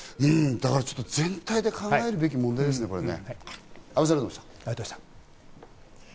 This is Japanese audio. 全体で考えるべき問題ですね。